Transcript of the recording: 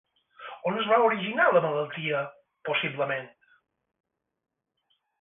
On es va originar la malaltia, possiblement?